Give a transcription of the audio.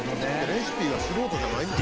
「レシピが素人じゃないもん」